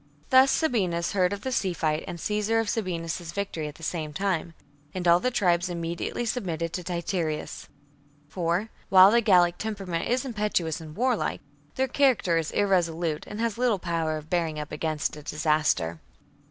Thus Sabinus heard of the sea fight and 56 b.c. Caesar of Sabinus's victory at the same time ; and all the tribes immediately submitted to Titurius. For, while the Gallic temperament is impetuous and warlike, their character is irresolute and has little power of bearing up against disaster. 20.